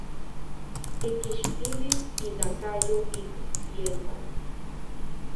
Tikkixtilis inakayo ik ielpan.